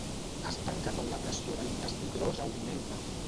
Es tanca quan la pressió de l'intestí gros augmenta.